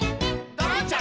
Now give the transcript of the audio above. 「ドロンチャ！